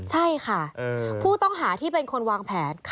ใช่ค่ะผู้ต้องหาที่เป็นคนวางแผน